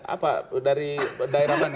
apa dari daerah mana